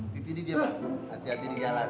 titik dia pak hati hati di jalan